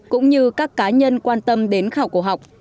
cũng như các cá nhân quan tâm đến khảo cổ học